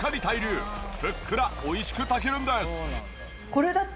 ふっくら美味しく炊けるんです。